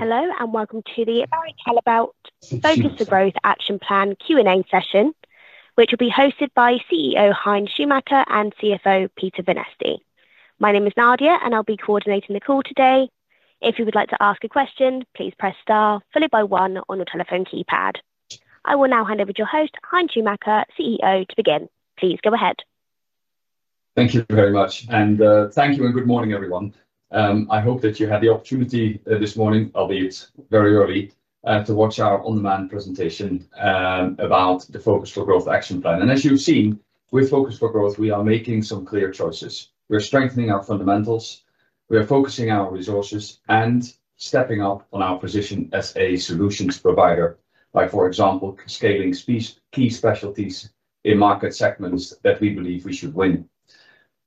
Hello, welcome to the Barry Callebaut Focused for Growth Action Plan Q&A session, which will be hosted by CEO Hein Schumacher and CFO Peter Vanneste. My name is Nadia, and I'll be coordinating the call today. If you would like to ask a question, please press star followed by one on your telephone keypad. I will now hand over to your host, Hein Schumacher, CEO, to begin. Please go ahead. Thank you very much. Thank you and good morning, everyone. I hope that you had the opportunity this morning, albeit very early, to watch our on-demand presentation about the Focused for Growth action plan. As you've seen, with Focused for Growth, we are making some clear choices. We are strengthening our fundamentals, we are focusing our resources and stepping up on our position as a solutions provider by, for example, scaling key specialties in market segments that we believe we should win.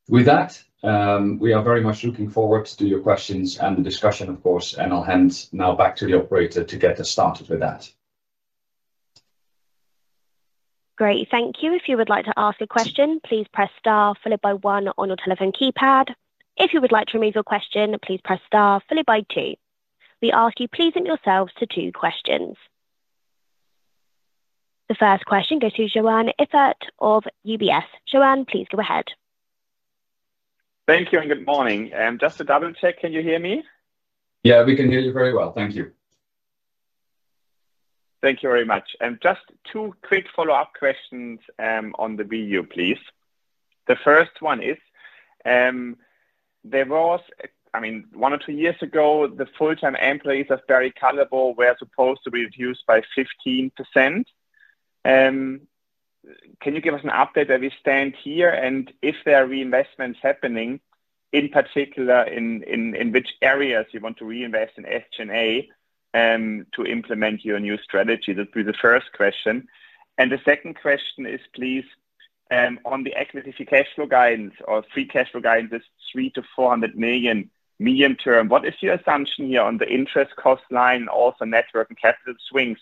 With that, we are very much looking forward to your questions and the discussion, of course, and I'll hand now back to the operator to get us started with that. Great. Thank you. If you would like to ask a question, please press star followed by one on your telephone keypad. If you would like to remove your question, please press star followed by two. We ask you please limit yourselves to two questions. The first question goes to Joern Iffert of UBS. Joern, please go ahead. Thank you and good morning. Just to double-check, can you hear me? We can hear you very well. Thank you. Thank you very much. Just two quick follow-up questions on the BU, please. The first one is, one or two years ago, the full-time employees of Barry Callebaut were supposed to be reduced by 15%. Can you give us an update where we stand here, and if there are reinvestments happening, in particular, in which areas you want to reinvest in SG&A to implement your new strategy? That'll be the first question. The second question is, please, on the equity free cash flow guidance is 3 million-400 million medium term. What is your assumption here on the interest cost line, also net working capital swings?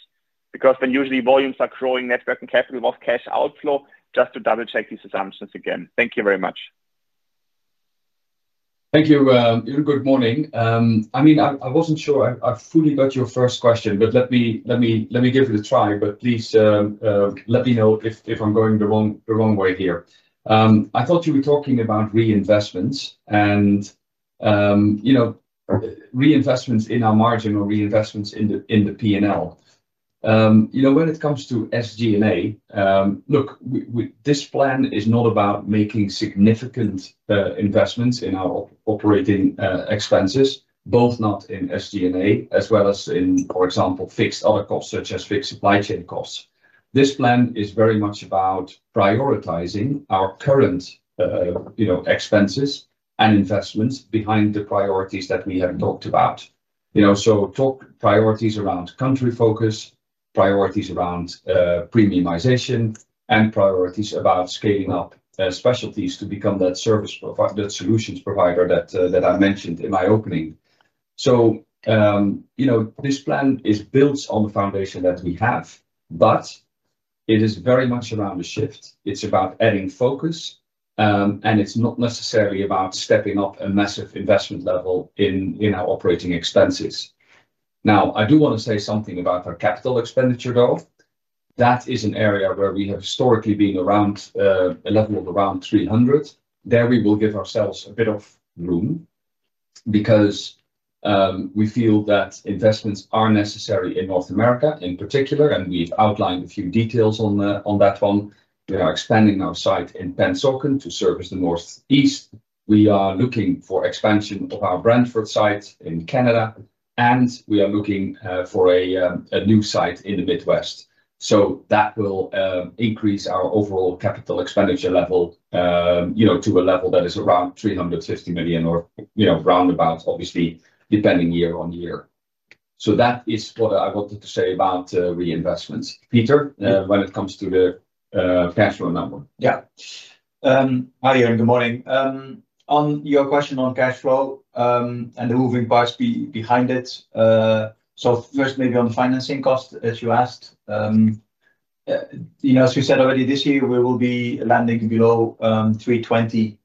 Because when usually volumes are growing, net working capital was cash outflow. Just to double-check these assumptions again. Thank you very much. Thank you. Good morning. I wasn't sure I fully got your first question. Let me give it a try. Please let me know if I'm going the wrong way here. I thought you were talking about reinvestments and reinvestments in our margin or reinvestments in the P&L. When it comes to SG&A, look, this plan is not about making significant investments in our operating expenses, both not in SG&A as well as in, for example, fixed other costs such as fixed supply chain costs. This plan is very much about prioritizing our current expenses and investments behind the priorities that we have talked about. Talk priorities around country focus, priorities around premiumization, and priorities about scaling up specialties to become that solutions provider that I mentioned in my opening. This plan is built on the foundation that we have, but it is very much around a shift. It's about adding focus, and it's not necessarily about stepping up a massive investment level in our operating expenses. I do want to say something about our capital expenditure, though. That is an area where we have historically been around a level of around 300. There we will give ourselves a bit of room because we feel that investments are necessary in North America in particular, and we've outlined a few details on that one. We are expanding our site in Pennsauken to service the Northeast. We are looking for expansion of our Brantford site in Canada, and we are looking for a new site in the Midwest. That will increase our overall capital expenditure level to a level that is around 350 million or roundabout, obviously, depending year on year. That is what I wanted to say about reinvestments. Peter, when it comes to the cash flow number. Yeah. Nadia, good morning. On your question on cash flow and the moving parts behind it. First, maybe on the financing cost, as you asked. As we said already this year, we will be landing below 320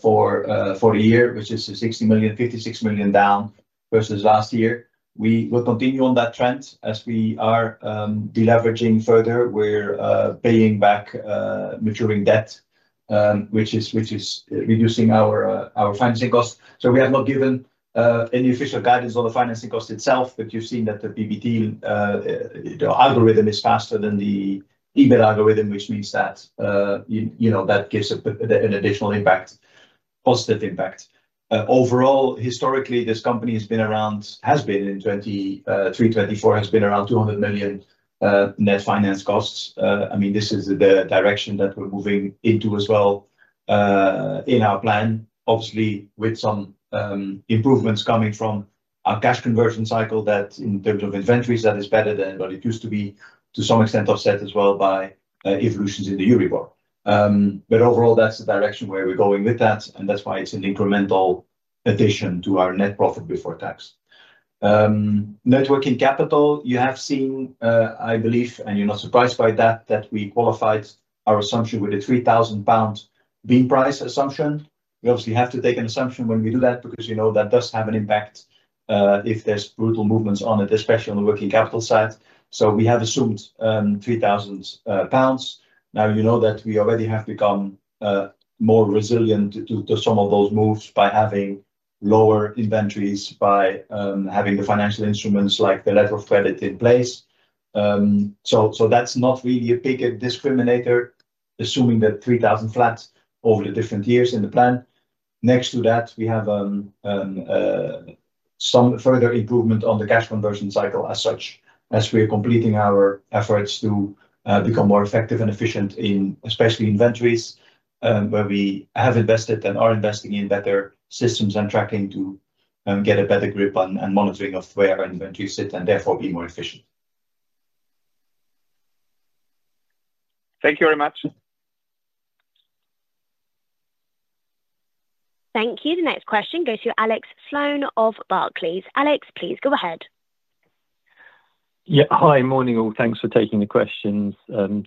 for the year, which is 56 million down versus last year. We will continue on that trend as we are deleveraging further. We're paying back maturing debt, which is reducing our financing cost. We have not given any official guidance on the financing cost itself, but you've seen that the PBT algorithm is faster than the EBIT algorithm, which means that gives an additional impact, positive impact. Overall, historically, this company has been in 2023, 2024, has been around 200 million net finance costs. This is the direction that we're moving into as well in our plan, obviously, with some improvements coming from our cash conversion cycle that in terms of inventories, that is better than what it used to be to some extent offset as well by evolutions in the Euribor. But overall, that's the direction where we're going with that, and that's why it's an incremental addition to our net profit before tax. Net working capital, you have seen, I believe, and you're not surprised by that we qualified our assumption with the 3,000 pound. Bean price assumption. We obviously have to take an assumption when we do that because that does have an impact if there's brutal movements on it, especially on the working capital side. We have assumed 3,000 pounds. You know that we already have become more resilient to some of those moves by having lower inventories, by having the financial instruments, like the letter of credit, in place. That's not really a big discriminator, assuming that 3,000 flats over the different years in the plan. Next to that, we have some further improvement on the cash conversion cycle as such, as we are completing our efforts to become more effective and efficient, especially inventories, where we have invested and are investing in better systems and tracking to get a better grip on, and monitoring of where our inventories sit, and therefore, be more efficient. Thank you very much. Thank you. The next question goes to Alex Sloane of Barclays. Alex, please go ahead. Yeah. Hi. Morning, all. Thanks for taking the questions.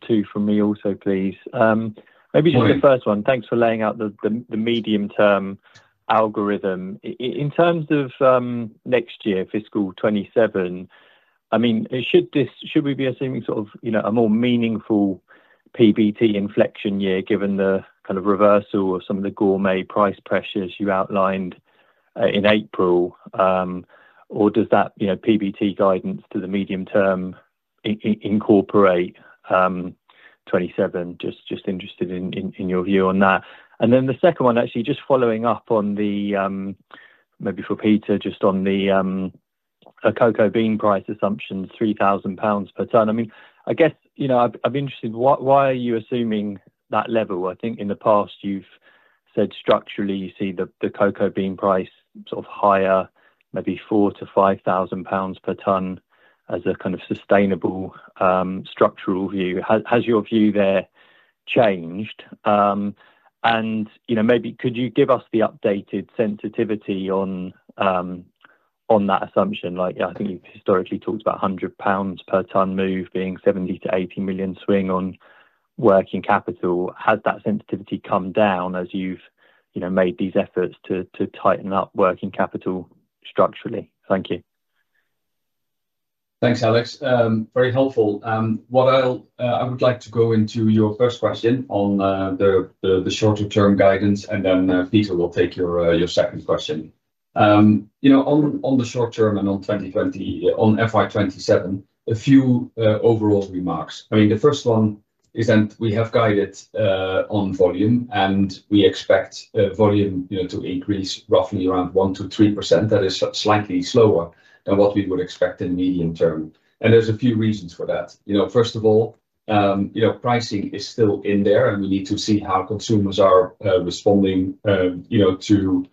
Two from me also, please. Morning. Maybe just the first one. Thanks for laying out the medium-term algorithm. In terms of next year, FY27, should we be assuming a more meaningful PBT inflection year given the reversal of some of the gourmet price pressures you outlined in April? Does that PBT guidance to the medium term incorporate 2027? Just interested in your view on that. The second one, actually, just following up on the, maybe for Peter, just on the cocoa bean price assumption, 3,000 pounds per ton. I guess, I'm interested, why are you assuming that level? I think in the past, you've said structurally, you see the cocoa bean price higher, maybe 4,000-5,000 pounds per ton, as a sustainable structural view. Has your view there changed? Maybe could you give us the updated sensitivity on that assumption? I think you've historically talked about 100 pounds per ton move being 70 million - 80 million swing on working capital. Has that sensitivity come down as you've made these efforts to tighten up working capital structurally? Thank you. Thanks, Alex. Very helpful. I would like to go into your first question on the shorter term guidance. Peter will take your second question. On the short term and on FY 2027, a few overall remarks. The first one is that we have guided on volume. We expect volume to increase roughly around one percent - three percent. That is slightly slower than what we would expect in medium term. There's a few reasons for that. First of all, pricing is still in there. We need to see how consumers are responding to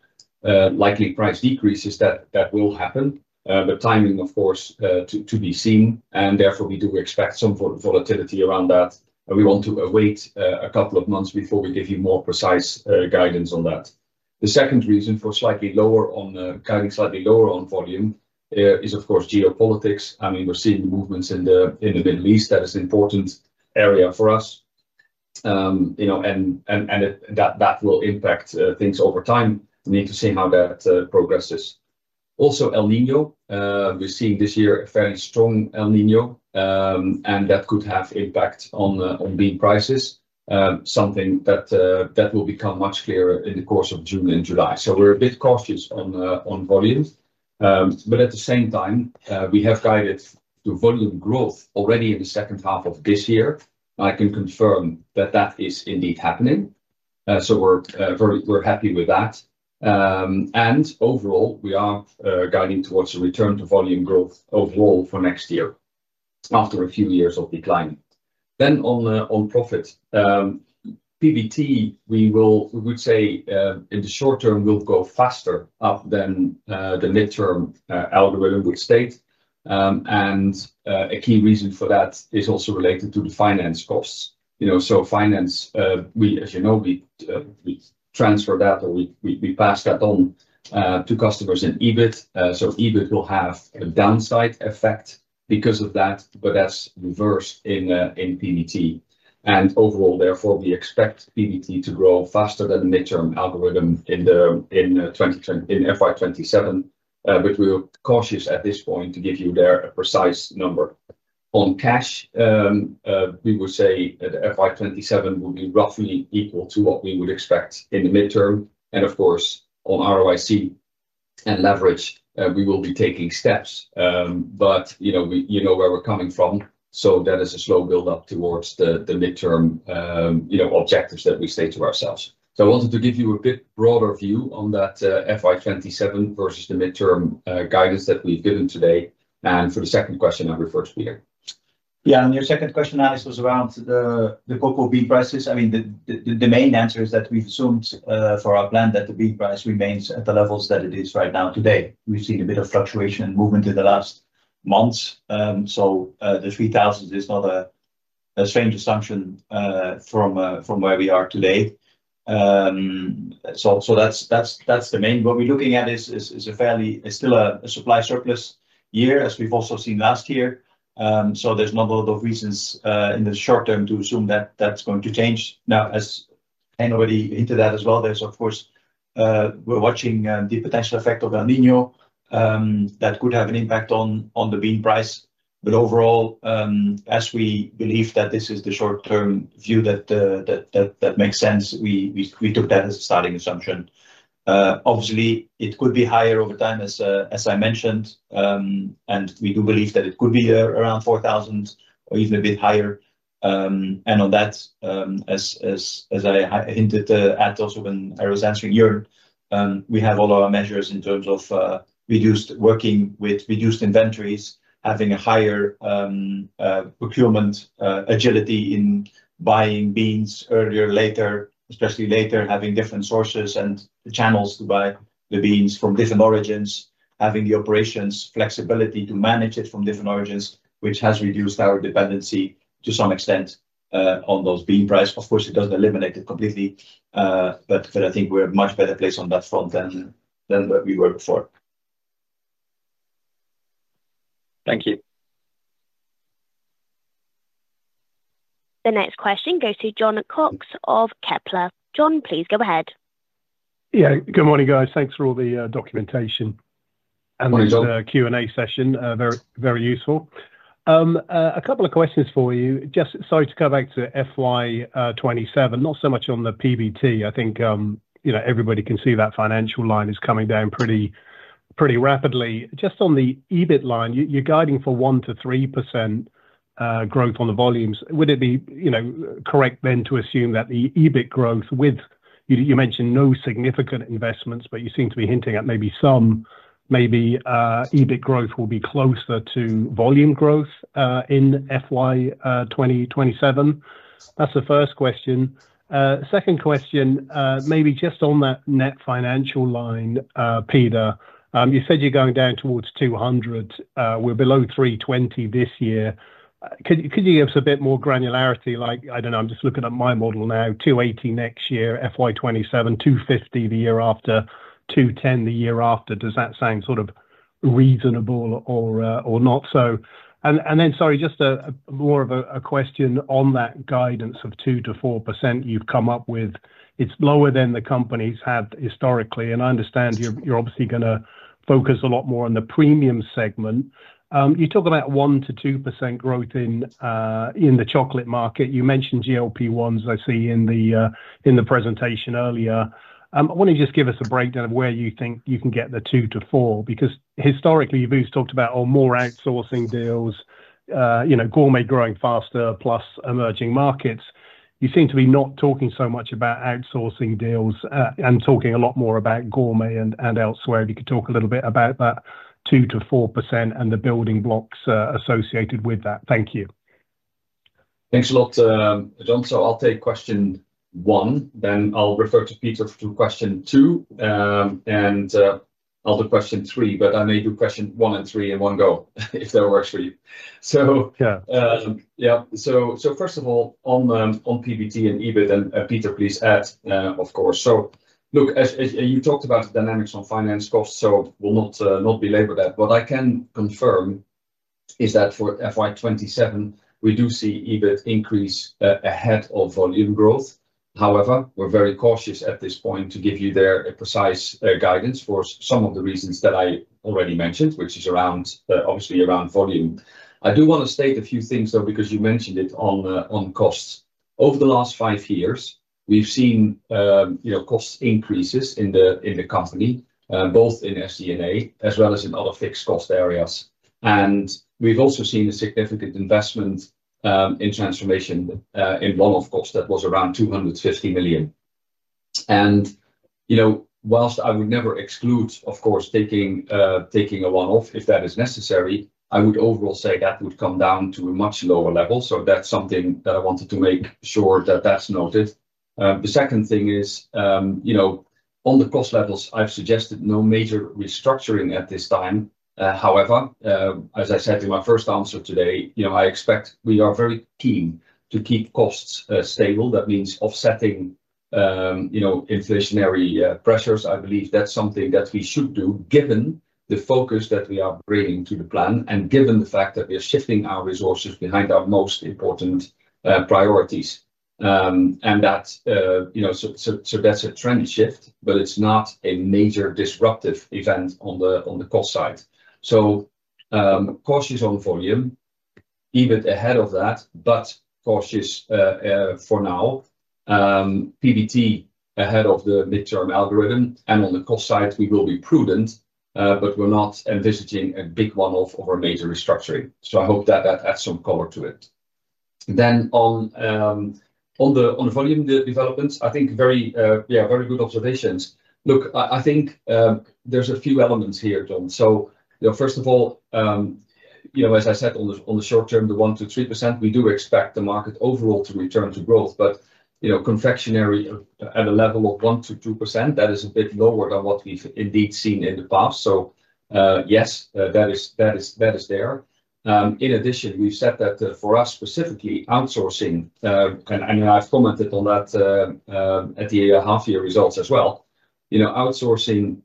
likely price decreases that will happen. Timing, of course, to be seen. Therefore, we do expect some volatility around that. We want to await a couple of months before we give you more precise guidance on that. The second reason for guiding slightly lower on volume is, of course, geopolitics. We're seeing the movements in the Middle East. That is important area for us. That will impact things over time. We need to see how that progresses. Also El Niño, we're seeing this year a very strong El Niño, and that could have impact on bean prices. Something that will become much clearer in the course of June and July. We're a bit cautious on volume. At the same time, we have guided the volume growth already in the second half of this year. I can confirm that that is indeed happening. We're happy with that. Overall, we are guiding towards a return to volume growth overall for next year, after a few years of decline. On profit. PBT, we would say, in the short term, will go faster up than the mid-term algorithm would state. A key reason for that is also related to the finance costs. Finance, as you know, we transfer that, or we pass that on to customers in EBIT. EBIT will have a downside effect because of that, but that's reversed in PBT. Overall, therefore, we expect PBT to grow faster than the mid-term algorithm in FY 2027. We are cautious at this point to give you there a precise number. On cash, we would say that FY 2027 will be roughly equal to what we would expect in the mid-term. Of course, on ROIC and leverage, we will be taking steps. You know where we're coming from, so that is a slow build-up towards the mid-term objectives that we set to ourselves. I wanted to give you a bit broader view on that FY 2027 versus the mid-term guidance that we've given today. For the second question, I refer to Peter. On your second question, Alex, was around the cocoa bean prices. The main answer is that we've assumed, for our plan, that the bean price remains at the levels that it is right now today. We've seen a bit of fluctuation and movement in the last months. The 3,000 is not a strange assumption from where we are today. That's the main. What we're looking at is still a supply surplus year, as we've also seen last year. There's not a lot of reasons in the short term to assume that that's going to change. As I hinted into that as well, of course, we're watching the potential effect of El Niño that could have an impact on the bean price. Overall, as we believe that this is the short-term view that makes sense, we took that as a starting assumption. Obviously, it could be higher over time as I mentioned. We do believe that it could be around 4,000 or even a bit higher. On that, as I hinted at also when I was answering Joern, we have all our measures in terms of working with reduced inventories, having a higher procurement agility in buying beans earlier, later, especially later, having different sources and channels to buy the beans from different origins. Having the operations flexibility to manage it from different origins, which has reduced our dependency to some extent, on those bean prices. Of course, it doesn't eliminate it completely. I think we're in a much better place on that front than we were before. Thank you. The next question goes to Jon Cox of Kepler. Jon, please go ahead. Yeah. Good morning, guys. Thanks for all the documentation- Morning, Jon. This Q&A session. Very useful. A couple of questions for you. Just sorry to go back to FY 2027, not so much on the PBT. I think everybody can see that financial line is coming down pretty rapidly. Just on the EBIT line, you're guiding for one percent-three percent growth on the volumes. Would it be correct then to assume that the EBIT growth with, you mentioned no significant investments, but you seem to be hinting at maybe some, maybe EBIT growth will be closer to volume growth in FY 2027? That's the first question. Second question, maybe just on that net financial line, Peter, you said you're going down towards 200. We're below 320 this year. Could you give us a bit more granularity, like, I don't know, I'm just looking at my model now, 280 next year, FY 2027, 250 the year after, 210 the year after. Does that sound sort of reasonable or not? Then, sorry, just more of a question on that guidance of two percent-four percent you've come up with. It's lower than the companies had historically, and I understand you're obviously going to focus a lot more on the premium segment. You talk about one percent-two percent growth in the chocolate market. You mentioned GLP-1s, I see in the presentation earlier. Why don't you just give us a breakdown of where you think you can get the two percent-four percent? Historically you've always talked about more outsourcing deals, gourmet growing faster plus emerging markets. You seem to be not talking so much about outsourcing deals and talking a lot more about gourmet and elsewhere. If you could talk a little bit about that two percent-four percent and the building blocks associated with that. Thank you. Thanks a lot, Jon. I'll take question one, then I'll refer to Peter for question two, and I'll do question three, but I may do question one and three in one go if that works for you. Yeah. Yeah. First of all, on PBT and EBIT, Peter, please add, of course. Look, as you talked about the dynamics on finance costs, will not belabor that. What I can confirm is that for FY 2027, we do see EBIT increase ahead of volume growth. However, we're very cautious at this point to give you there a precise guidance for some of the reasons that I already mentioned, which is obviously around volume. I do want to state a few things, though, because you mentioned it on costs. Over the last five years, we've seen cost increases in the company, both in FCNA as well as in other fixed cost areas. We've also seen a significant investment in transformation in one-off costs that was around 250 million. Whilst I would never exclude, of course, taking a one-off if that is necessary, I would overall say that would come down to a much lower level. That's something that I wanted to make sure that that's noted. The second thing is on the cost levels, I've suggested no major restructuring at this time. However, as I said in my first answer today, I expect we are very keen to keep costs stable. That means offsetting inflationary pressures. I believe that's something that we should do given the focus that we are bringing to the plan and given the fact that we are shifting our resources behind our most important priorities. That's a trend shift, but it's not a major disruptive event on the cost side. Cautious on volume, EBIT ahead of that, but cautious for now. PBT ahead of the midterm algorithm and on the cost side, we will be prudent, but we're not envisaging a big one-off of a major restructuring. I hope that adds some color to it. On volume developments, I think very good observations. I think there's a few elements here, Jon. First of all, as I said on the short term, the one percent-three percent, we do expect the market overall to return to growth. Confectionery at a level of one percent-two percent, that is a bit lower than what we've indeed seen in the past. Yes, that is there. In addition, we've said that for us specifically, outsourcing, and I've commented on that at the half-year results as well. Outsourcing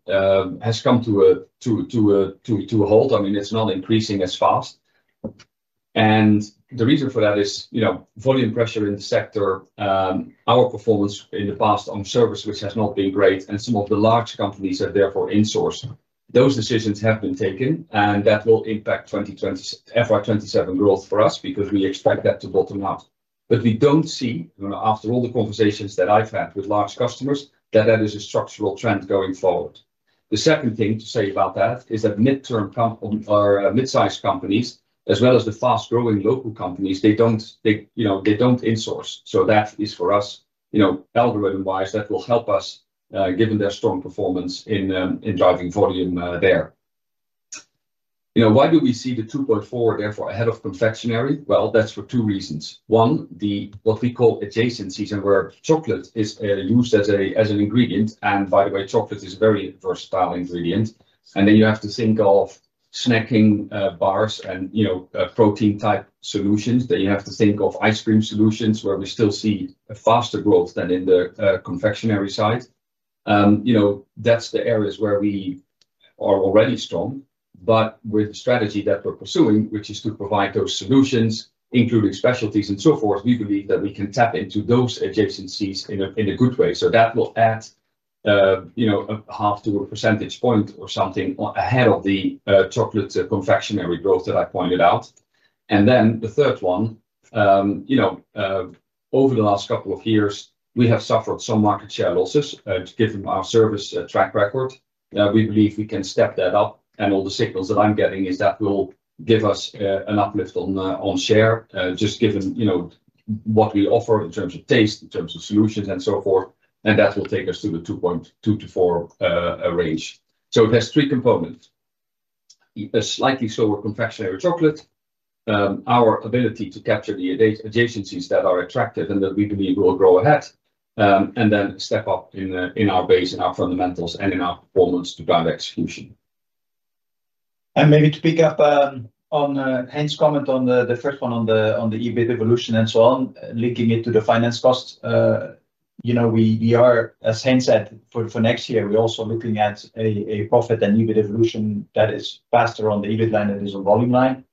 has come to a halt. It's not increasing as fast. The reason for that is volume pressure in the sector, our performance in the past on service, which has not been great, and some of the large companies are therefore insourcing. Those decisions have been taken, and that will impact FY 2027 growth for us because we expect that to bottom out. We don't see, after all the conversations that I've had with large customers, that is a structural trend going forward. The second thing to say about that is that mid-sized companies, as well as the fast-growing local companies, they don't insource. That is for us, algorithm-wise, that will help us given their strong performance in driving volume there. Why do we see the 2.4 therefore ahead of confectionery? That's for two reasons. One, what we call adjacencies and where chocolate is used as an ingredient. By the way, chocolate is a very versatile ingredient. You have to think of snacking bars and protein-type solutions. You have to think of ice cream solutions, where we still see a faster growth than in the confectionery side. That's the areas where we are already strong. With the strategy that we're pursuing, which is to provide those solutions, including specialties and so forth, we believe that we can tap into those adjacencies in a good way. That will add a half to a percentage point or something ahead of the chocolate confectionery growth that I pointed out. The third one, over the last couple of years, we have suffered some market share losses. Given our service track record, we believe we can step that up, all the signals that I'm getting is that will give us an uplift on share, just given what we offer in terms of taste, in terms of solutions and so forth. That will take us to the 2.2%-4% range. It has three components. A slightly slower confectionery chocolate, our ability to capture the adjacencies that are attractive and that we believe will grow ahead, and then step up in our base and our fundamentals and in our performance to drive execution. Maybe to pick up on Hein's comment on the first one on the EBIT evolution and so on, linking it to the finance cost. As Hein said, for next year, we're also looking at a profit and EBIT evolution that is faster on the EBIT line than it is on volume line.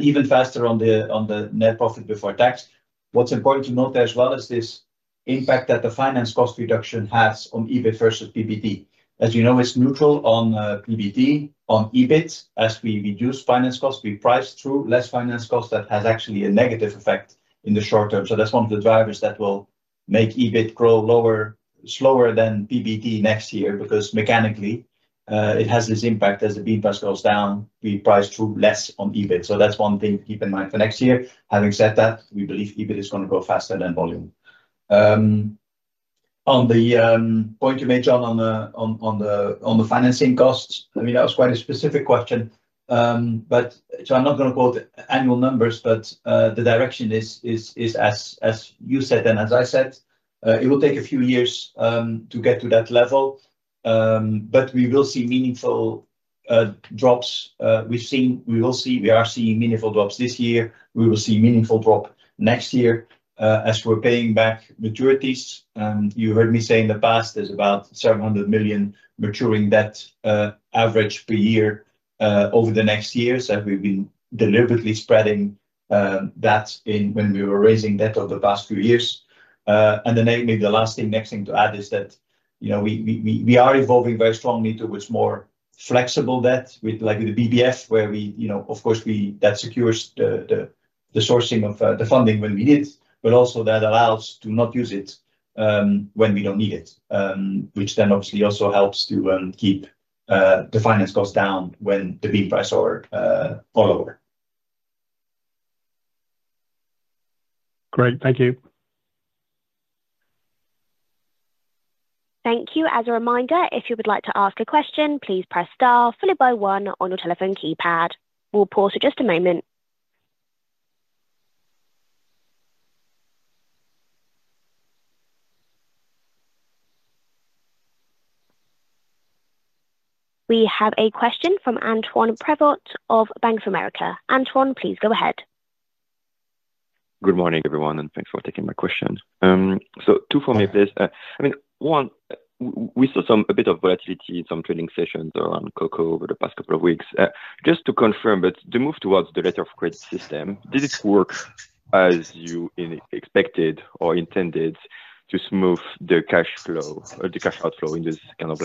Even faster on the net profit before tax. What's important to note there as well is this impact that the finance cost reduction has on EBIT versus PBT. As you know, it's neutral on PBT, on EBIT. As we reduce finance costs, we price through less finance costs. That has actually a negative effect in the short term. That's one of the drivers that will make EBIT grow slower than PBT next year because mechanically, it has this impact. As the B pass goes down, we price through less on EBIT. That's one thing to keep in mind for next year. Having said that, we believe EBIT is going to grow faster than volume. On the point you made, Jon, on the financing costs. That was quite a specific question. I'm not going to quote annual numbers, but the direction is as you said and as I said. It will take a few years to get to that level, but we will see meaningful drops. We are seeing meaningful drops this year. We will see meaningful drop next year as we're paying back maturities. You heard me say in the past, there's about 700 million maturing debt average per year over the next years, and we've been deliberately spreading that when we were raising debt over the past few years. Maybe the last thing, next thing to add is that we are evolving very strongly towards more flexible debt with the BBF, where of course, that secures the sourcing of the funding when we need it, but also that allows to not use it when we don't need it, which then obviously also helps to keep the finance costs down when the bean price are all over. Great. Thank you. Thank you. As a reminder, if you would like to ask a question, please press star followed by one on your telephone keypad. We'll pause for just a moment. We have a question from Antoine Prevot of Bank of America. Antoine, please go ahead. Good morning, everyone, thanks for taking my question. Two for me, please. One, we saw a bit of volatility in some trading sessions around cocoa over the past couple of weeks. Just to confirm, the move towards the letter of credit system, did it work as you expected or intended to smooth the cash outflow in this kind of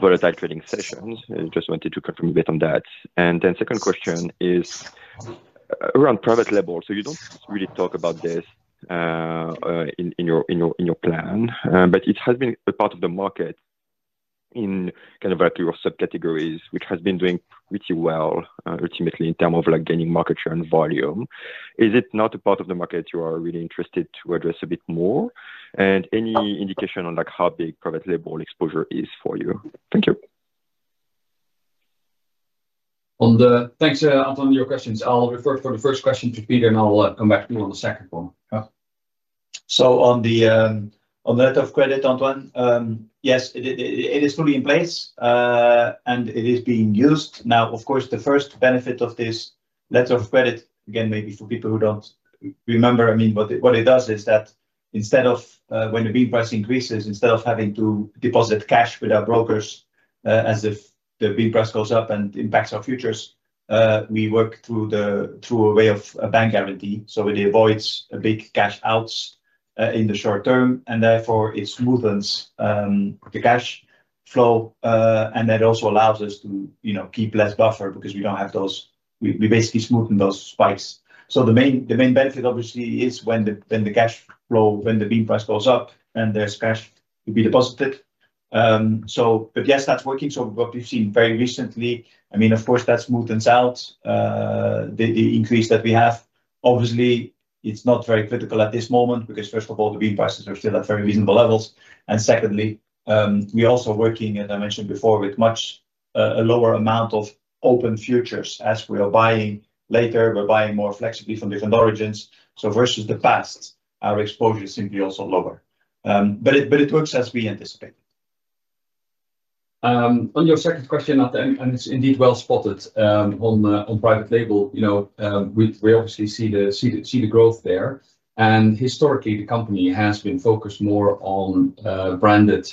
volatile trading sessions? I just wanted to confirm a bit on that. Second question is around private label. You don't really talk about this in your plan, but it has been a part of the market in a few subcategories, which has been doing pretty well, ultimately in terms of gaining market share and volume. Is it not a part of the market you are really interested to address a bit more? Any indication on how big private label exposure is for you? Thank you. Thanks, Antoine, for your questions. I'll refer for the first question to Peter, and I'll come back to you on the second one. Yeah. On the letter of credit, Antoine, yes, it is fully in place, and it is being used. Now, of course, the first benefit of this letter of credit, again, maybe for people who don't remember, what it does is that when the bean price increases, instead of having to deposit cash with our brokers as the bean price goes up and impacts our futures, we work through a way of a bank guarantee. It avoids big cash outs in the short term, and therefore it smoothens the cash flow. That also allows us to keep less buffer because we basically smoothen those spikes. The main benefit, obviously, is when the bean price goes up and there's cash to be deposited. Yes, that's working. What we've seen very recently, of course, that smoothens out the increase that we have. Obviously, it's not very critical at this moment because, first of all, the bean prices are still at very reasonable levels. Secondly, we're also working, as I mentioned before, with a much lower amount of open futures as we are buying later, we're buying more flexibly from different origins. Versus the past, our exposure is simply also lower. It works as we anticipated. On your second question, Antoine, it's indeed well-spotted, on private label, we obviously see the growth there. Historically, the company has been focused more on branded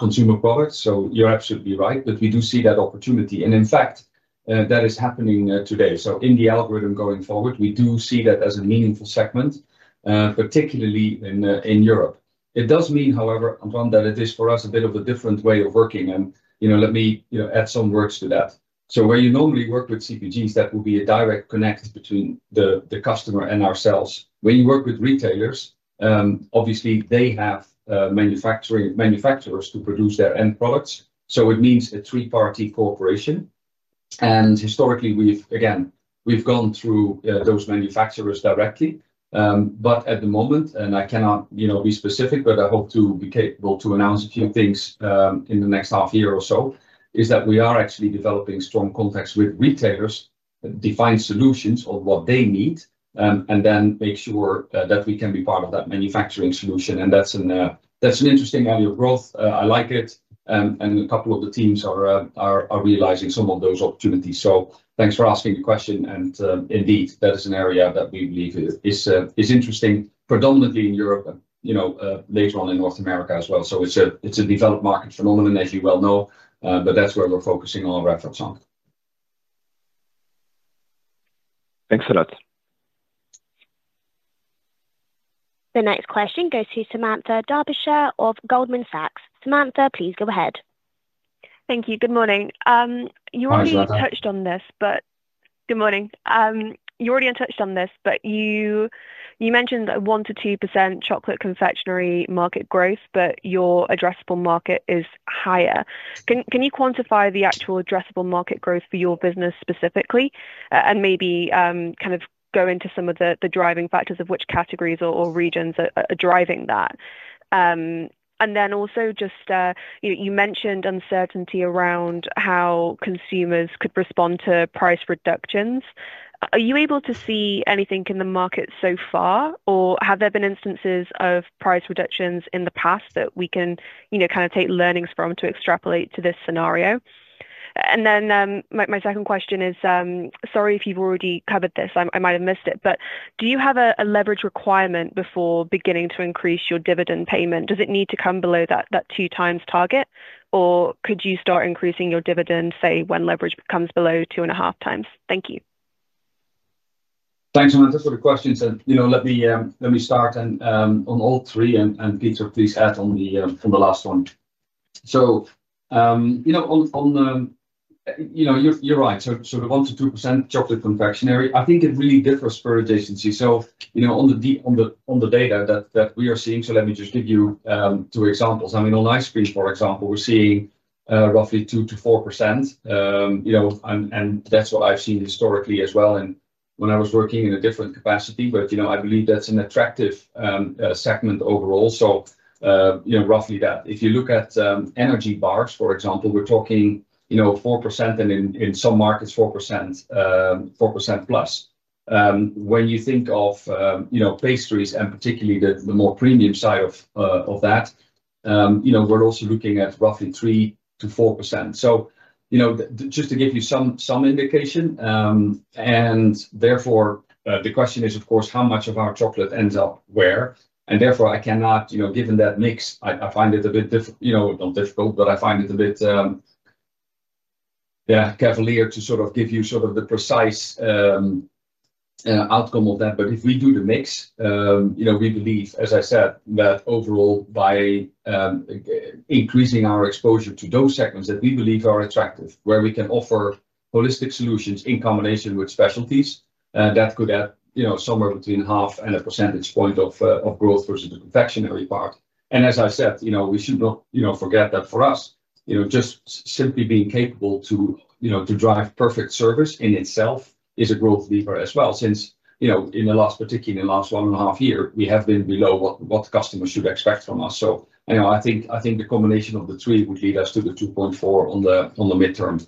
consumer products. You're absolutely right. We do see that opportunity. In fact, that is happening today. In the algorithm going forward, we do see that as a meaningful segment, particularly in Europe. It does mean, however, Antoine, that it is for us a bit of a different way of working and let me add some words to that. Where you normally work with CPGs, that will be a direct connect between the customer and ourselves. When you work with retailers, obviously they have manufacturers to produce their end products, so it means a three-party cooperation. Historically, again, we've gone through those manufacturers directly. At the moment, and I cannot be specific, but I hope to be capable to announce a few things in the next half year or so, is that we are actually developing strong contacts with retailers, define solutions of what they need, and then make sure that we can be part of that manufacturing solution. That's an interesting area of growth. I like it, and a couple of the teams are realizing some of those opportunities. Thanks for asking the question, and indeed, that is an area that we believe is interesting predominantly in Europe and later on in North America as well. It's a developed market phenomenon, as you well know, but that's where we're focusing our efforts on. Thanks a lot. The next question goes to Samantha Darbyshire of Goldman Sachs. Samantha, please go ahead. Thank you. Good morning. Hi, Samantha. Good morning. You already touched on this, but you mentioned that one percent-two percent chocolate confectionery market growth, but your addressable market is higher. Can you quantify the actual addressable market growth for your business specifically, and maybe kind of go into some of the driving factors of which categories or regions are driving that? Also just you mentioned uncertainty around how consumers could respond to price reductions. Are you able to see anything in the market so far, or have there been instances of price reductions in the past that we can kind of take learnings from to extrapolate to this scenario? My second question is, sorry if you've already covered this, I might have missed it, but do you have a leverage requirement before beginning to increase your dividend payment? Does it need to come below that two times target, or could you start increasing your dividend, say, when leverage comes below two and a half times? Thank you. Thanks, Samantha, for the questions. Let me start on all three, and Peter, please add on the last one. You're right. The one percent-two percent chocolate confectionery, I think it really differs per adjacency. On the data that we are seeing, let me just give you two examples. On ice cream, for example, we're seeing roughly two percent-four percent, and that's what I've seen historically as well when I was working in a different capacity. I believe that's an attractive segment overall. Roughly that. If you look at energy bars, for example, we're talking four percent, and in some markets four percent plus. When you think of pastries and particularly the more premium side of that, we're also looking at roughly three percent-four percent. Just to give you some indication. Therefore, the question is, of course, how much of our chocolate ends up where? Therefore, given that mix, I find it a bit, not difficult, but I find it a bit cavalier to sort of give you the precise outcome of that. If we do the mix, we believe, as I said, that overall, by increasing our exposure to those segments that we believe are attractive, where we can offer holistic solutions in combination with specialties, that could add somewhere between half and a percentage point of growth versus the confectionery part. As I said, we should not forget that for us, just simply being capable to drive perfect service in itself is a growth lever as well, since particularly in the last one and a half year, we have been below what customers should expect from us. I think the combination of the three would lead us to the 2.4 on the midterm.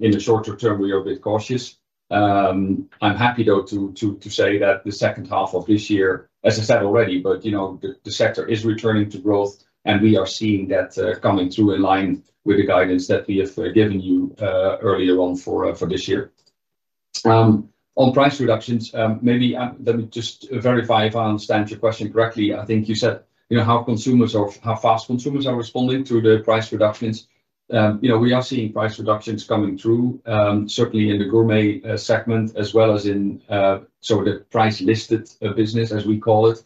In the shorter term, we are a bit cautious. I'm happy, though, to say that the second half of this year, as I said already, the sector is returning to growth, and we are seeing that coming through in line with the guidance that we have given you earlier on for this year. On price reductions, maybe let me just verify if I understand your question correctly. I think you said how fast consumers are responding to the price reductions. We are seeing price reductions coming through, certainly in the gourmet segment as well as in the price-listed business, as we call it,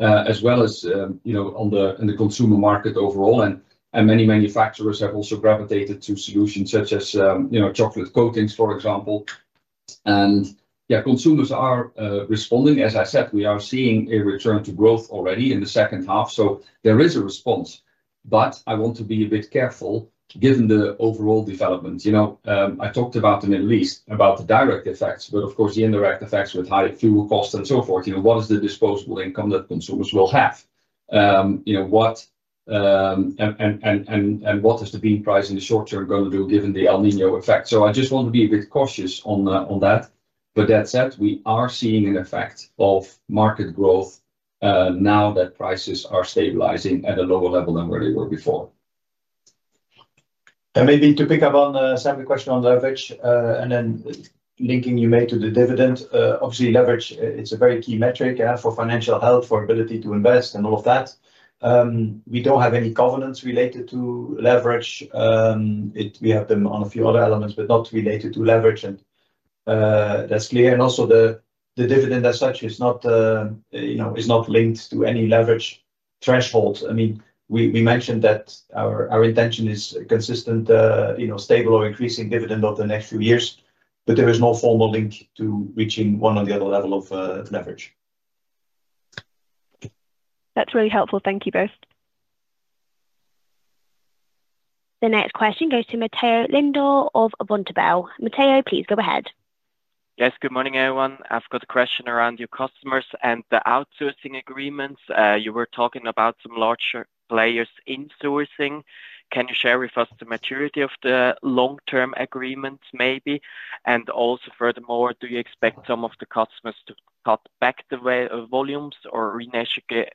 as well as in the consumer market overall. Many manufacturers have also gravitated to solutions such as chocolate coatings, for example. Yeah, consumers are responding. As I said, we are seeing a return to growth already in the second half, so there is a response. I want to be a bit careful given the overall development. I talked about in at least about the direct effects, but of course, the indirect effects with higher fuel costs and so forth. What is the disposable income that consumers will have? What is the bean price in the short term going to do given the El Niño effect? I just want to be a bit cautious on that. That said, we are seeing an effect of market growth now that prices are stabilizing at a lower level than where they were before. Maybe to pick up on a separate question on leverage, and then linking you made to the dividend, obviously leverage, it's a very key metric, yeah, for financial health, for ability to invest and all of that. We don't have any governance related to leverage. We have them on a few other elements, but not related to leverage, and that's clear. Also the dividend as such is not linked to any leverage thresholds. We mentioned that our intention is consistent, stable or increasing dividend over the next few years, but there is no formal link to reaching one or the other level of leverage. That's really helpful. Thank you both. The next question goes to Matteo Villani of Vontobel. Matteo, please go ahead. Yes, good morning, everyone. I've got a question around your customers and the outsourcing agreements. You were talking about some larger players insourcing. Can you share with us the maturity of the long-term agreements maybe, and also furthermore, do you expect some of the customers to cut back the way of volumes or renegotiate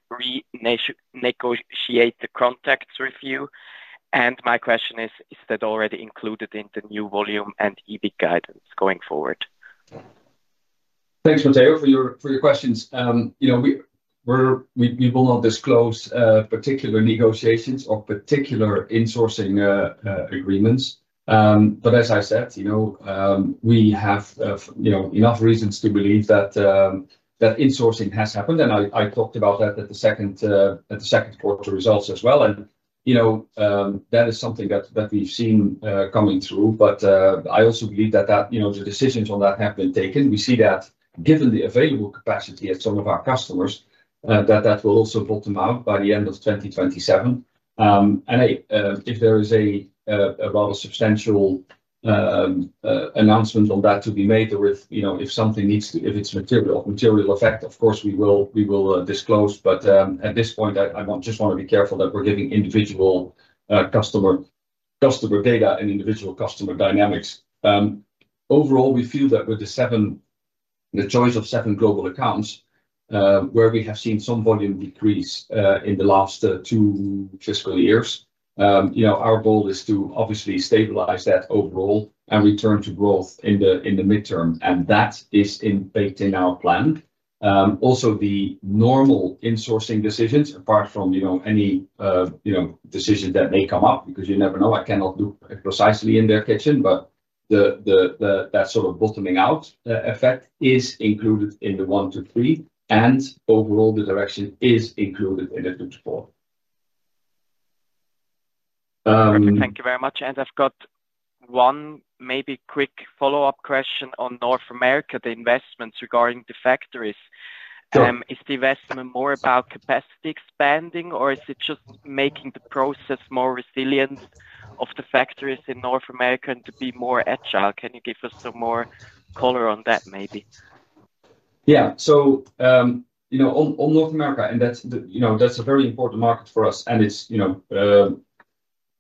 the contracts with you? My question is that already included in the new volume and EBIT guidance going forward? Thanks, Matteo, for your questions. We will not disclose particular negotiations or particular insourcing agreements. As I said, we have enough reasons to believe that insourcing has happened, and I talked about that at the Q2 results as well, and that is something that we've seen coming through. I also believe that the decisions on that have been taken. We see that given the available capacity at some of our customers, that that will also bottom out by the end of 2027. If there is a rather substantial announcement on that to be made or if it's material effect, of course, we will disclose. At this point, I just want to be careful that we're giving individual customer data and individual customer dynamics. Overall, we feel that with the choice of seven global accounts, where we have seen some volume decrease in the last two fiscal years. Our goal is to obviously stabilize that overall and return to growth in the midterm, and that is baked in our plan. Also, the normal insourcing decisions, apart from any decisions that may come up, because you never know, I cannot look precisely in their kitchen, but that sort of bottoming out effect is included in the one - three, and overall the direction is included in the good support. Perfect. Thank you very much. I've got one maybe quick follow-up question on North America, the investments regarding the factories. Sure. Is the investment more about capacity expanding, or is it just making the process more resilient of the factories in North America and to be more agile? Can you give us some more color on that, maybe? Yeah. On North America, and that's a very important market for us, and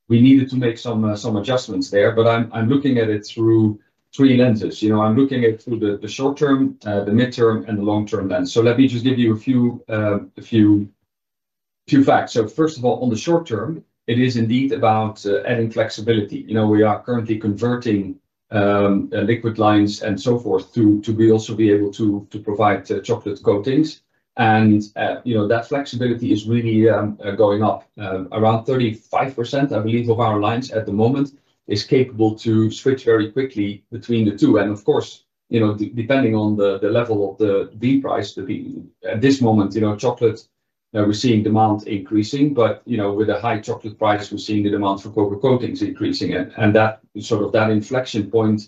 we needed to make some adjustments there, but I'm looking at it through three lenses. I'm looking at it through the short term, the midterm, and the long-term lens. Let me just give you a few facts. First of all, on the short term, it is indeed about adding flexibility. We are currently converting liquid lines and so forth to also be able to provide chocolate coatings. That flexibility is really going up. Around 35%, I believe, of our lines at the moment is capable to switch very quickly between the two. Of course, depending on the level of the bean price, at this moment, chocolate, we're seeing demand increasing, but with the high chocolate price, we're seeing the demand for cocoa coatings increasing. That inflection point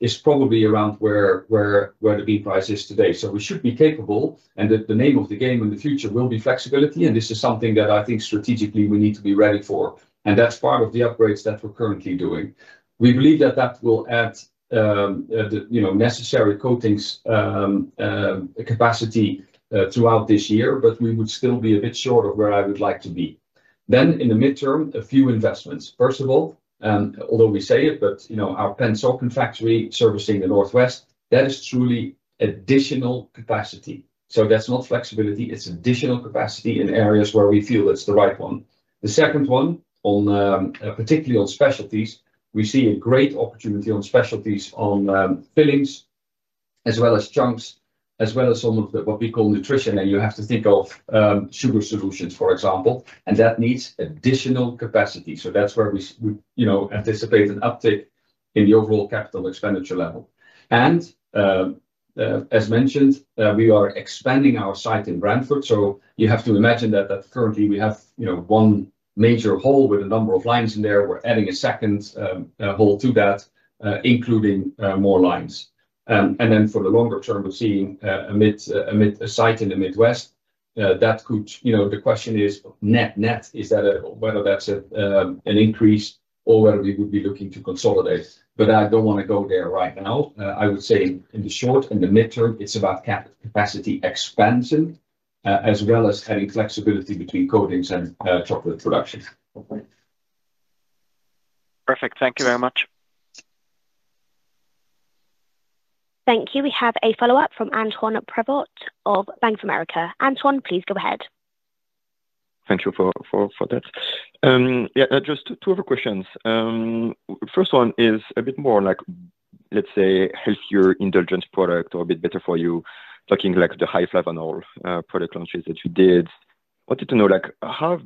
is probably around where the bean price is today. We should be capable, and the name of the game in the future will be flexibility, and this is something that I think strategically we need to be ready for. That's part of the upgrades that we're currently doing. We believe that that will add the necessary coatings capacity throughout this year, but we would still be a bit short of where I would like to be. In the midterm, a few investments. First of all, although we say it, but our Pennsauken factory servicing the Northeast, that is truly additional capacity. That's not flexibility, it's additional capacity in areas where we feel it's the right one. The second one, particularly on specialties, we see a great opportunity on specialties on fillings, as well as chunks, as well as some of what we call nutrition. You have to think of sugar solutions, for example, and that needs additional capacity. That's where we anticipate an uptick in the overall capital expenditure level. As mentioned, we are expanding our site in Brantford, you have to imagine that currently we have one major hole with a number of lines in there. We're adding a second hole to that, including more lines. For the longer term, we're seeing a site in the Midwest. The question is net, whether that's an increase or whether we would be looking to consolidate, but I don't want to go there right now. I would say in the short and the midterm, it's about capacity expansion, as well as having flexibility between coatings and chocolate production. Perfect. Thank you very much. Thank you. We have a follow-up from Antoine Prevot of Bank of America. Antoine, please go ahead. Thank you for that. Yeah, just two other questions. First one is a bit more like, let's say, healthier indulgence product or a bit better for you, talking the high flavanol product launches that you did. Wanted to know, how have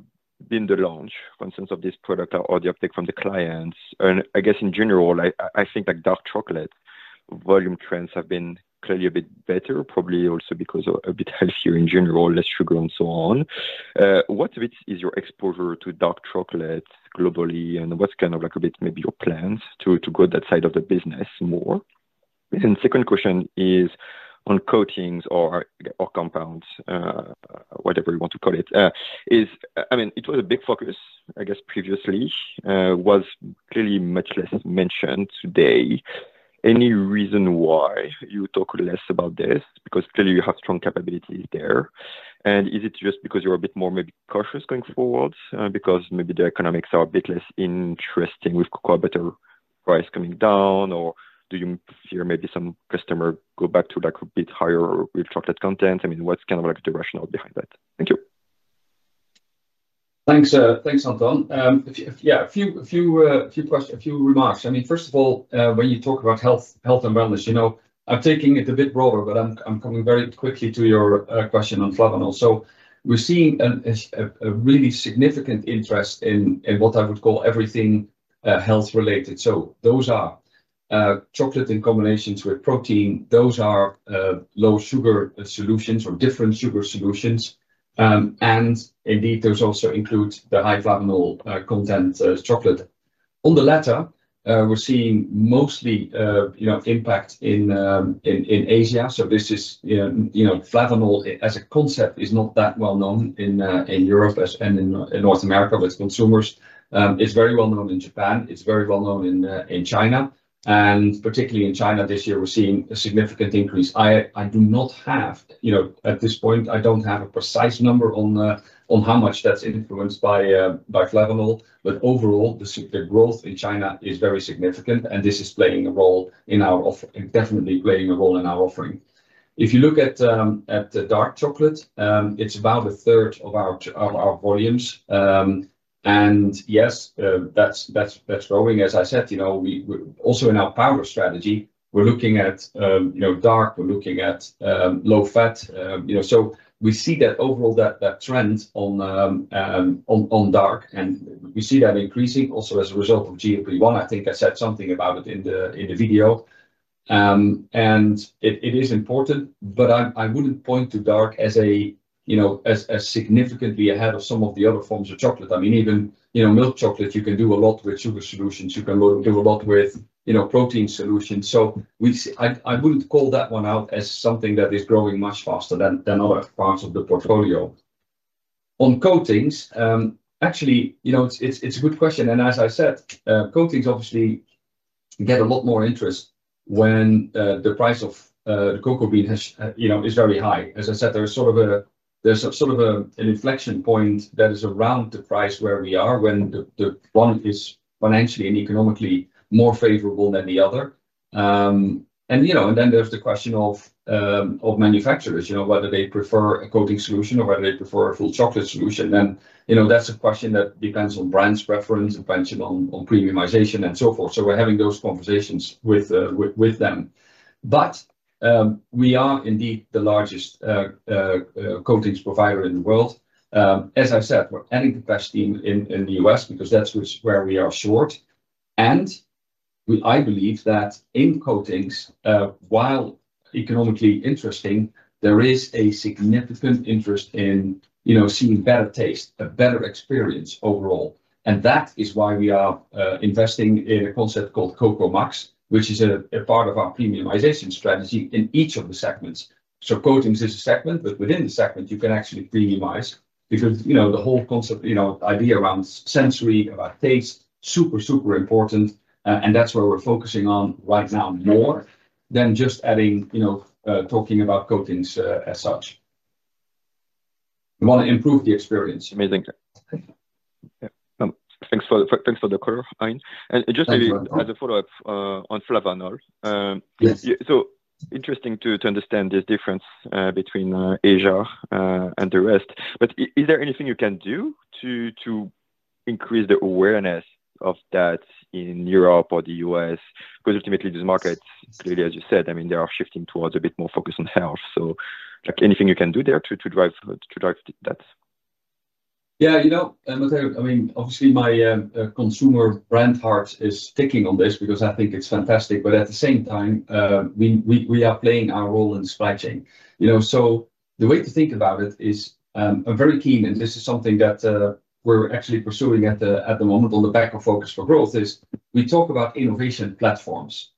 been the launch in terms of this product or the uptake from the clients? I guess in general, I think that dark chocolate volume trends have been clearly a bit better, probably also because a bit healthier in general, less sugar and so on. What of it is your exposure to dark chocolate globally, and what's kind of a bit maybe your plans to go that side of the business more? Second question is on coatings or compounds, whatever you want to call it. It was a big focus, I guess previously. Was clearly much less mentioned today. Any reason why you talk less about this? Clearly you have strong capability there. Is it just because you're a bit more maybe cautious going forward because maybe the economics are a bit less interesting with cocoa butter price coming down? Do you fear maybe some customer go back to a bit higher with chocolate content? What's kind of the rationale behind that? Thank you. Thanks, Antoine. Yeah, a few remarks. First of all, when you talk about health and wellness, I'm taking it a bit broader, but I'm coming very quickly to your question on flavanol. We're seeing a really significant interest in what I would call everything health-related. Those are chocolate in combinations with protein. Those are low-sugar solutions or different sugar solutions. Indeed, those also include the high-flavanol content chocolate. On the latter, we're seeing mostly impact in Asia. Flavanol, as a concept, is not that well-known in Europe and in North America with consumers. It's very well-known in Japan. It's very well-known in China, and particularly in China this year, we're seeing a significant increase. At this point, I don't have a precise number on how much that's influenced by flavanol, but overall, the growth in China is very significant, and this is definitely playing a role in our offering. If you look at dark chocolate, it's about a third of our volumes, and yes, that's growing. As I said, also in our powder strategy, we're looking at dark, we're looking at low fat. We see that overall trend on dark, and we see that increasing also as a result of GLP-1. I think I said something about it in the video. It is important, but I wouldn't point to dark as significantly ahead of some of the other forms of chocolate. Even milk chocolate, you can do a lot with sugar solutions. You can do a lot with protein solutions. I wouldn't call that one out as something that is growing much faster than other parts of the portfolio. On coatings, actually, it's a good question, and as I said, coatings obviously get a lot more interest when the price of the cocoa bean is very high. As I said, there's sort of an inflection point that is around the price where we are when the one is financially and economically more favorable than the other. Then there's the question of manufacturers, whether they prefer a coating solution or whether they prefer a full chocolate solution. That's a question that depends on brand's preference, depends on premiumization and so forth. We're having those conversations with them. We are indeed the largest coatings provider in the world. As I said, we're adding capacity in the U.S. because that's where we are short. I believe that in coatings, while economically interesting, there is a significant interest in seeing better taste, a better experience overall, and that is why we are investing in a concept called Cacao Max, which is a part of our premiumization strategy in each of the segments. Coatings is a segment, but within the segment, you can actually premiumize because the whole concept, idea around sensory, about taste, super important, and that's where we're focusing on right now more than just talking about coatings as such. We want to improve the experience. Amazing. Yeah. Thanks for the color, Hein. Just maybe as a follow-up on flavanols. Yes. Interesting to understand this difference between Asia and the rest. Is there anything you can do to? Increase the awareness of that in Europe or the U.S., because ultimately, these markets, really, as you said, they are shifting towards a bit more focused on health. Anything you can do there to drive that? Matteo, obviously my consumer brand heart is ticking on this because I think it's fantastic. At the same time, we are playing our role in supply chain. The way to think about it is, I'm very keen, and this is something that we're actually pursuing at the moment on the back of Focused for Growth is, we talk about innovation platforms.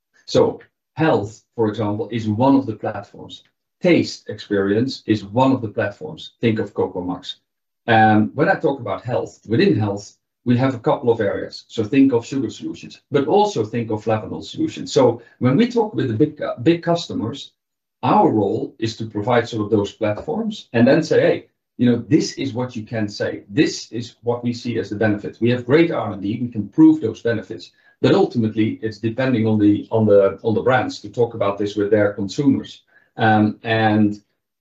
Health, for example, is one of the platforms. Taste experience is one of the platforms. Think of Cacao Max. When I talk about health, within health, we have a couple of areas. Think of sugar solutions, but also think of flavanol solutions. When we talk with the big customers, our role is to provide some of those platforms and then say, "Hey, this is what you can say. This is what we see as the benefits." We have great R&D. We can prove those benefits. Ultimately, it's depending on the brands to talk about this with their consumers.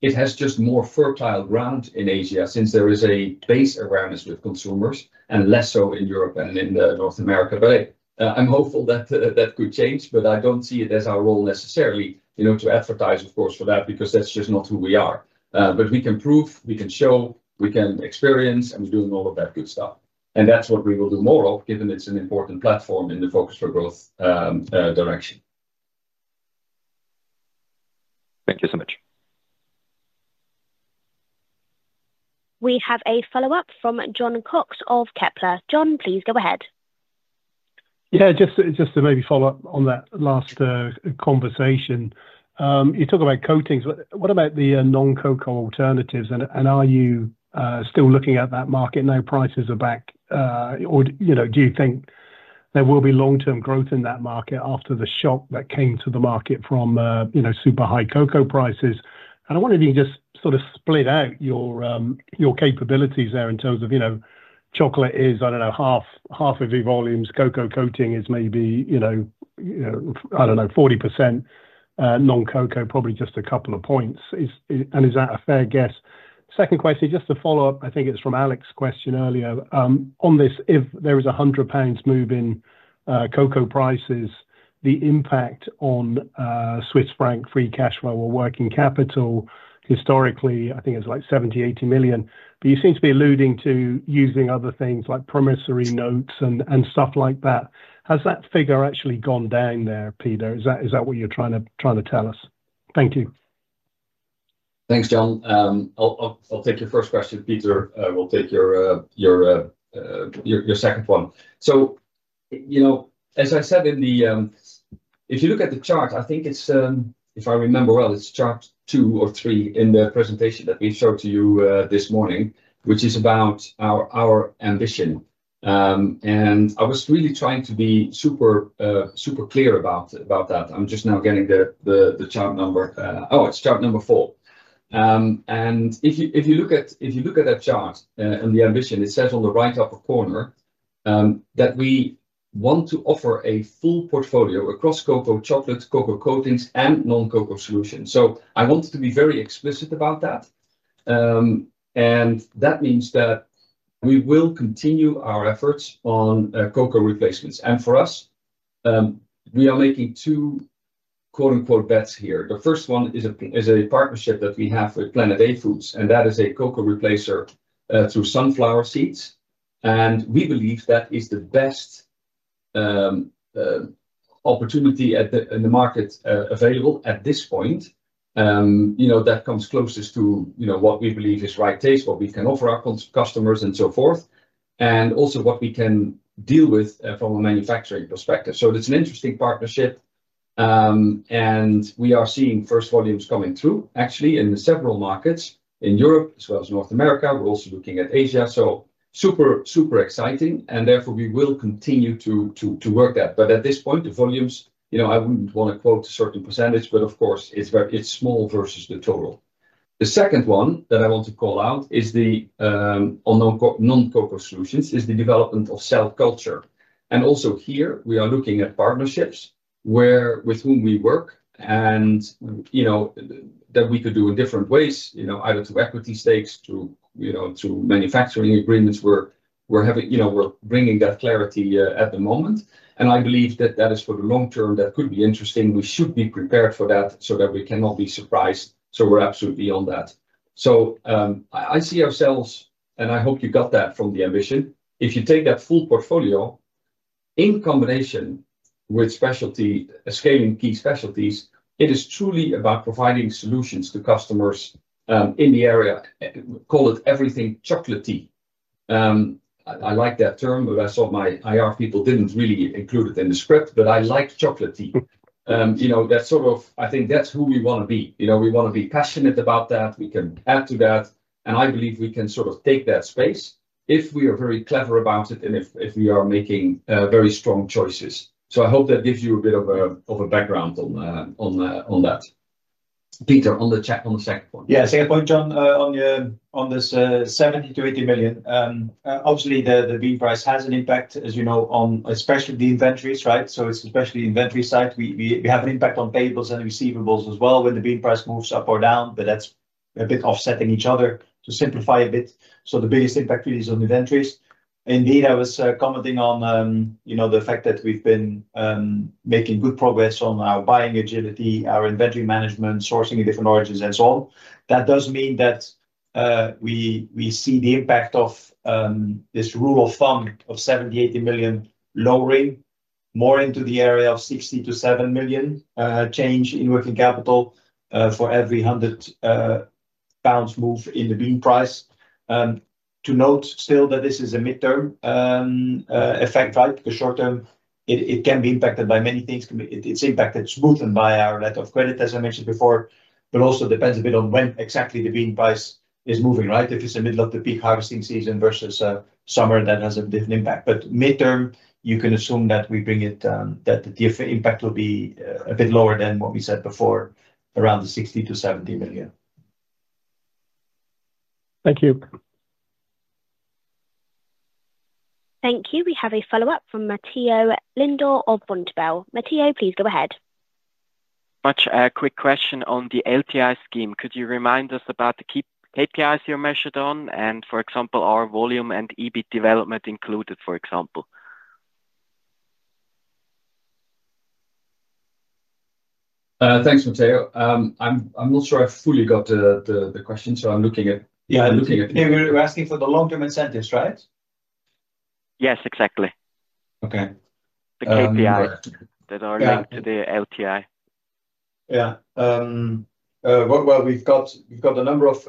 It has just more fertile ground in Asia since there is a base awareness with consumers and less so in Europe and in the North America. Hey, I'm hopeful that that could change, but I don't see it as our role necessarily, to advertise, of course, for that, because that's just not who we are. We can prove, we can show, we can experience, and we're doing all of that good stuff, and that's what we will do more of, given it's an important platform in the Focused for Growth direction. Thank you so much. We have a follow-up from Jon Cox of Kepler. Jon, please go ahead. Just to maybe follow up on that last conversation. You talk about coatings, what about the non-cocoa alternatives, and are you still looking at that market now prices are back? Do you think there will be long-term growth in that market after the shock that came to the market from super high cocoa prices? I wonder if you can just sort of split out your capabilities there in terms of chocolate is, I don't know, half of your volumes. Cocoa coating is maybe, I don't know, 40%, non-cocoa, probably just a couple of points. Is that a fair guess? Second question, just to follow up, I think it's from Alex' question earlier. On this, if there is 100 pounds move in cocoa prices, the impact on Swiss franc free cash flow or working capital, historically, I think it's like 70 million-80 million. You seem to be alluding to using other things like promissory notes and stuff like that. Has that figure actually gone down there, Peter? Is that what you're trying to tell us? Thank you. Thanks, Jon. I'll take your first question. Peter will take your second one. As I said, if you look at the chart, I think, if I remember well, it's chart two or three in the presentation that we showed to you this morning, which is about our ambition. I was really trying to be super clear about that. I'm just now getting the chart number. It's chart number four. If you look at that chart and the ambition, it says on the right upper corner, that we want to offer a full portfolio across cocoa chocolate, cocoa coatings, and non-cocoa solutions. I wanted to be very explicit about that. That means that we will continue our efforts on cocoa replacements. For us, we are making two "bets" here. The first one is a partnership that we have with Planet A Foods. That is a cocoa replacer through sunflower seeds. We believe that is the best opportunity in the market available at this point. That comes closest to what we believe is right taste, what we can offer our customers, and so forth, and also what we can deal with from a manufacturing perspective. That's an interesting partnership. We are seeing first volumes coming through actually in several markets in Europe as well as North America. We're also looking at Asia. Super, super exciting. Therefore, we will continue to work that. At this point, the volumes, I wouldn't want to quote a certain percentage. Of course, it's small versus the total. The second one that I want to call out is the non-cocoa solutions is the development of cell culture. Also here we are looking at partnerships with whom we work and that we could do in different ways, either through equity stakes to manufacturing agreements. We're bringing that clarity at the moment, and I believe that that is for the long term. That could be interesting. We should be prepared for that so that we cannot be surprised. We're absolutely on that. I see ourselves, and I hope you got that from the ambition. If you take that full portfolio in combination with specialty, scaling key specialties, it is truly about providing solutions to customers in the area. Call it everything chocolatey. I like that term, but I saw my IR people didn't really include it in the script, but I like chocolatey. I think that's who we want to be. We want to be passionate about that. We can add to that, and I believe we can sort of take that space if we are very clever about it and if we are making very strong choices. I hope that gives you a bit of a background on that. Peter, on the second point. Yeah. Second point, Jon, on this 70 million-80 million, obviously the bean price has an impact, as you know, on especially the inventories, right? It's especially inventory side. We have an impact on payables and receivables as well when the bean price moves up or down. A bit offsetting each other to simplify a bit. The biggest impact really is on inventories. Indeed, I was commenting on the fact that we've been making good progress on our buying agility, our inventory management, sourcing in different origins and so on. That does mean that we see the impact of this rule of thumb of 70 million, 80 million lowering more into the area of 60 million to 7 million change in working capital for every 100 pounds move in the bean price. To note still that this is a midterm effect, right? The short term, it can be impacted by many things. It's impacted, smoothened by our letter of credit, as I mentioned before, but also depends a bit on when exactly the bean price is moving, right? If it's the middle of the peak harvesting season versus summer, that has a different impact. Midterm, you can assume that the impact will be a bit lower than what we said before, around the 60 million-70 million. Thank you. Thank you. We have a follow-up from Matteo Villani of Vontobel. Matteo, please go ahead. Much. A quick question on the LTI scheme. Could you remind us about the key KPIs you measured on and, for example, our volume and EBIT development included, for example? Thanks, Matteo. I'm not sure I fully got the question. You were asking for the long-term incentives, right? Yes, exactly. Okay. The KPI that are linked to the LTI. Yeah. Well, we've got a number of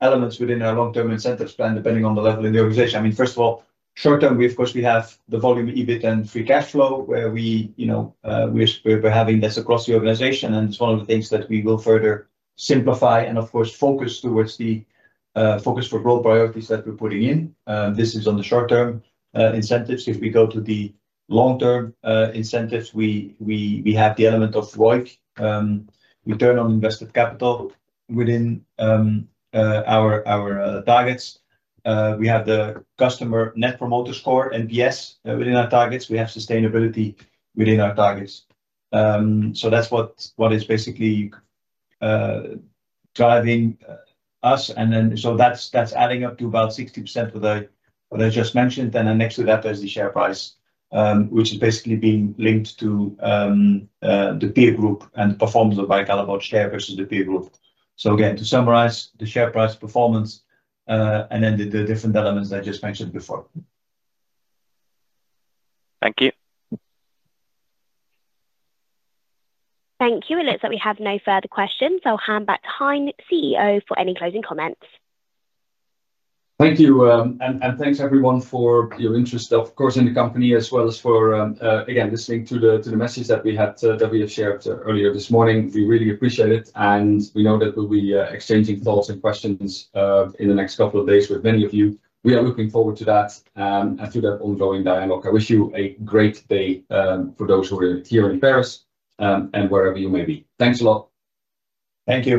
elements within our long-term incentives plan, depending on the level in the organization. First of all, short-term, we of course have the volume EBIT and free cash flow, where we're having this across the organization, and it's one of the things that we will further simplify and of course, focus towards the Focused for Growth priorities that we're putting in. This is on the short-term incentives. If we go to the long-term incentives, we have the element of ROIC, return on invested capital within our targets. We have the customer Net Promoter Score, NPS, within our targets. We have sustainability within our targets. That's what is basically driving us. That's adding up to about 60% of what I just mentioned. Next to that, there's the share price, which is basically being linked to the peer group and the performance of Barry Callebaut share versus the peer group. Again, to summarize, the share price performance, and then the different elements I just mentioned before. Thank you. Thank you. It looks like we have no further questions, I'll hand back to Hein, CEO, for any closing comments. Thank you. Thanks everyone for your interest, of course, in the company, as well as for, again, listening to the message that we have shared earlier this morning. We really appreciate it, and we know that we'll be exchanging thoughts and questions in the next couple of days with many of you. We are looking forward to that, and to that ongoing dialogue. I wish you a great day, for those who are here in Paris, and wherever you may be. Thanks a lot. Thank you